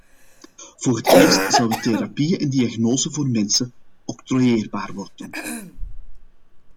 Voor het eerst zouden therapieën en diagnosen voor mensen octrooieerbaar worden.